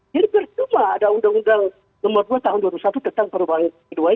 jadi berjumlah ada undang undang nomor dua tahun dua ribu dua puluh satu tentang perubahan k dua ini